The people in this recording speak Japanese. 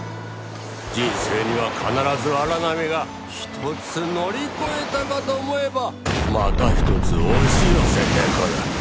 人生には必ず荒波が一つ乗り越えたかと思えばまた一つ押し寄せてくる